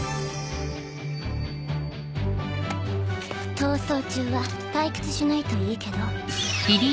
逃走中は退屈しないといいけど。